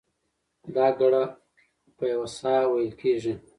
دا ګړه په یوه ساه وېل کېږي.